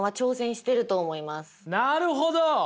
なるほど！